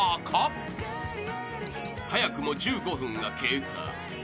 ［早くも１５分が経過。